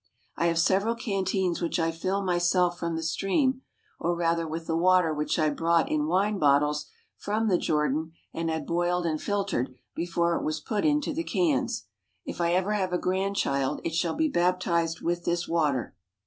I have several canteens which I filled myself from the stream, or rather with the water which I brought in wine bottles from the Jordan and had boiled and filtered before it was put into the cans. If I ever have a grandchild it shall be baptized with this water.